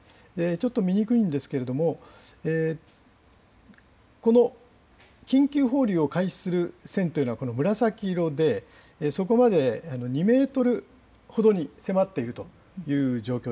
ちょっと見にくいんですけれども、この緊急放流を開始する線というのはこの紫色で、そこまで２メートルほどに迫っているという状況